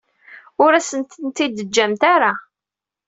Ur asen-ten-id-teǧǧamt ara.